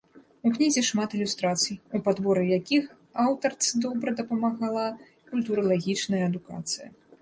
У кнізе шмат ілюстрацый, у падборы якіх аўтарцы добра дапамагла культуралагічная адукацыя.